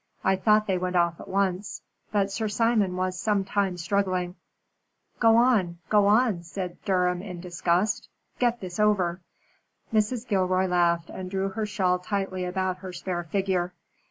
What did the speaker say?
"I thought they went off at once, but Sir Simon was some time struggling." "Go on go on," said Durham in disgust. "Get this over." Mrs. Gilroy laughed and drew her shawl tightly about her spare figure.